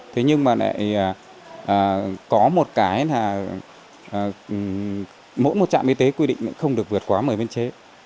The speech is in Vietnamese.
thế nhưng mà lại có một cái là mỗi một trạm y tế quy định không được vượt quá một mươi biên chế